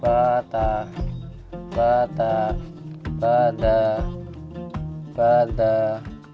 batah batah batah batah